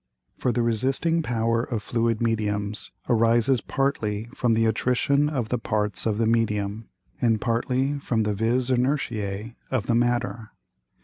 For the resisting Power of fluid Mediums arises partly from the Attrition of the Parts of the Medium, and partly from the Vis inertiæ of the Matter.